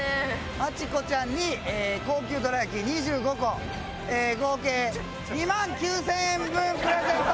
マチコちゃんに高級どら焼き２５個合計２万９０００円分プレゼント！